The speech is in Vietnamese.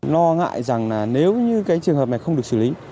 lo ngại rằng là nếu như cái trường hợp này không được xử lý